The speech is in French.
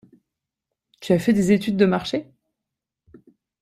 Tu as fait des études de marché?